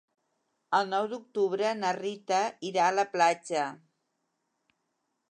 El nou d'octubre na Rita irà a la platja.